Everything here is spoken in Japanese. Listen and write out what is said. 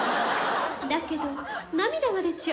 だけど涙が出ちゃう。